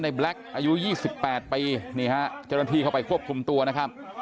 แบล็คอายุ๒๘ปีนี่ฮะเจ้าหน้าที่เข้าไปควบคุมตัวนะครับ